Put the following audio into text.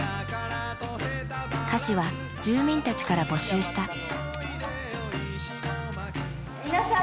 歌詞は住民たちから募集した。